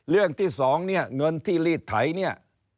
เรื่องที่๒เงินที่รีดไถ